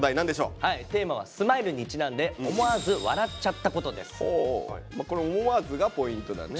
テーマは「ＳＭＩＬＥ」にちなんでこれ「思わず」がポイントだね。